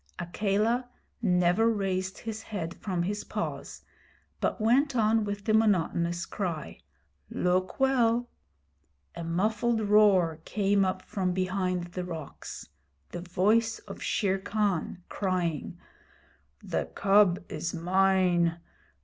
Akela never raised his head from his paws, but went on with the monotonous cry: 'Look well!' A muffled roar came up from behind the rocks the voice of Shere Khan crying: 'The cub is mine.